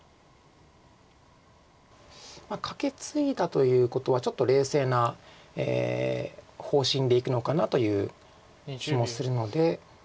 カケツイだということはちょっと冷静な方針でいくのかなという気もするので。